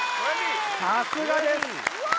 さすがです